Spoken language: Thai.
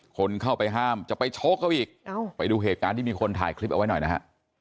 คนเข้าไปห้ามจะไปโชคเขาอีกไปดูเหตุการณ์ที่มีคนถ่ายคลิปเอาไว้หน่อยนะฮะ